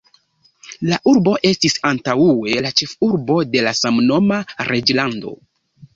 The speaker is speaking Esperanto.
La urbo estis antaŭe la ĉefurbo de la samnoma reĝlando.